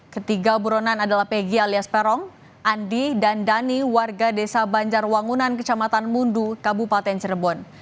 ketiga buronan adalah pegi alias peron andi dan dhani warga desa banjarwangunan kecamatan mundu kabupaten cirebon